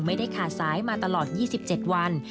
ไม่ได้ขาดสายมาตลอด๒๗วัน